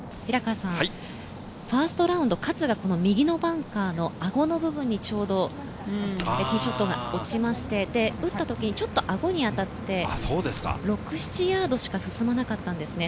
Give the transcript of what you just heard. ファーストラウンド、勝がこの右のバンカーのアゴの部分にちょうどティーショットが打ちまして、打った時にちょっとアゴに当たって、６７ヤードしか進まなかったんですね。